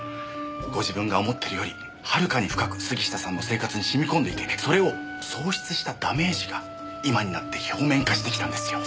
ご自分が思ってるよりはるかに深く杉下さんの生活に染み込んでいてそれを喪失したダメージが今になって表面化してきたんですよ。